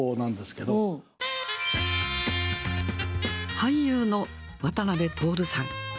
俳優の渡辺徹さん。